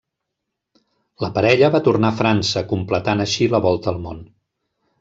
La parella va tornar a França, completant així la volta al món.